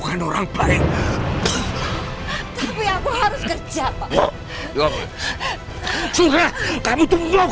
kok busuk ada di sini